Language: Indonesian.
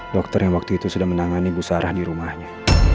dokter yang waktu itu sudah menangani busarah di rumahnya